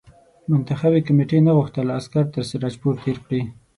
منتخبي کمېټې نه غوښتل عسکر تر سراج پور تېر کړي.